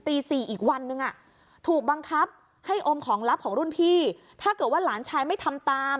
ตี๔อีกวันนึงถูกบังคับให้อมของลับของรุ่นพี่ถ้าเกิดว่าหลานชายไม่ทำตาม